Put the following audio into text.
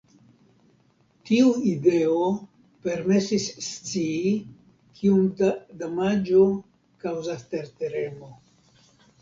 Tiu ideo permesas scii kiom da damaĝo kaŭzas tertremo.